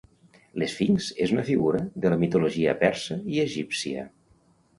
L'esfinx és una figura de la mitologia persa i egípcia.